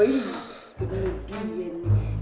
ini dia nih